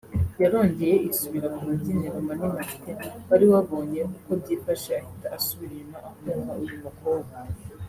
yarongeye isubira ku rubyiniro Mani Martin wari wabonye uko byifashe ahita asubira inyuma ahunga uyu mukobwa